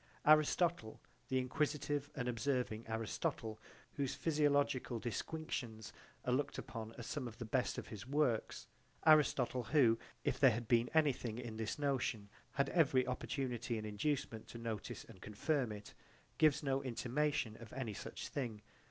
Aristotle, the inquisitive and observing Aristotle, whose physiological disquisitions are looked upon as some of the best of his works Aristotle, who if there had been anything in this notion had every opportunity and inducement to notice and confirm it gives no intimation of any such thing.